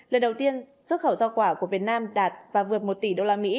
lần đầu tiên xuất khẩu do quả của việt nam đạt và vượt một tỷ usd